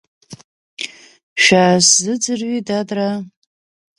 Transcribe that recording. Шәаасзыӡырҩи, дадраа.